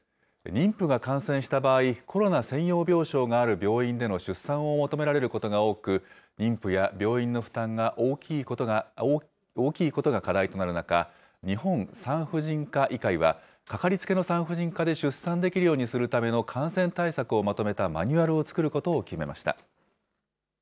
妊婦が感染した場合、コロナ専用病床がある病院での出産を求められることが多く、妊婦や病院の負担が大きいことが課題となる中、日本産婦人科医会は、かかりつけの産婦人科で出産できるようにするための感染対策をまとめたマニュアルを作ることを決めました。